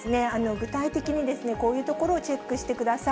具体的にこういうところをチェックしてください。